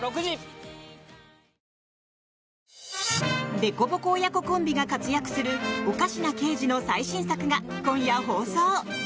でこぼこ親子コンビが活躍する「おかしな刑事」の最新作が今夜放送。